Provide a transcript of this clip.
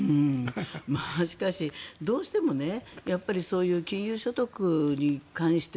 しかし、どうしてもそういう金融所得に関して